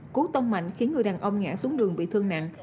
cú tông mạnh khiến người đàn ông ngã xuống đường bị thương nặng